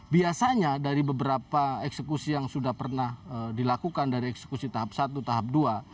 biasanya dari beberapa eksekusi yang sudah pernah dilakukan dari eksekusi tahap satu tahap dua